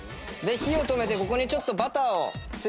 火を止めてここにちょっとバターを追加します。